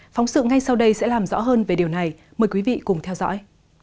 phóng sự ngay sau đây sẽ làm rõ hơn về điều này mời quý vị cùng theo dõi